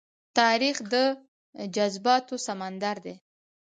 تاریخ د جذباتو سمندر دی.